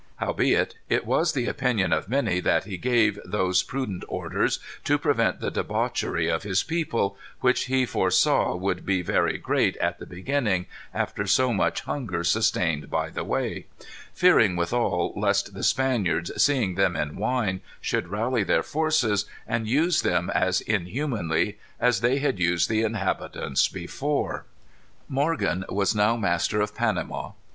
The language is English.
Howbeit it was the opinion of many that he gave those prudent orders to prevent the debauchery of his people, which he foresaw would be very great at the beginning, after so much hunger sustained by the way; fearing withal lest the Spaniards, seeing them in wine, should rally their forces, and use them as inhumanly as they had used the inhabitants before." Morgan was now master of Panama.